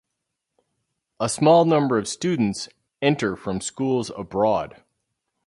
A small number of students enter from schools abroad.